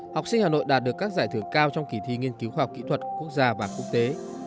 học sinh hà nội đạt được các giải thưởng cao trong kỳ thi nghiên cứu khoa học kỹ thuật quốc gia và quốc tế